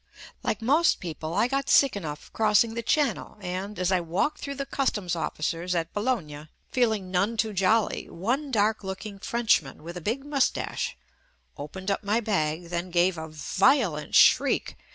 Like most people, I got sick enough cross ing the Channel and, as I walked through the customs officers at Boulogne, feeling none too jolly, one dark looking Frenchman with a big JUST ME moustache opened up my bag then gave a vio lent shriek.